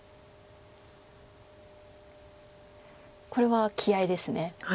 これは気合いです。